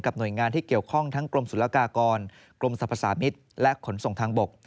หน่วยงานที่เกี่ยวข้องทั้งกรมศุลกากรกรมสรรพสามิตรและขนส่งทางบก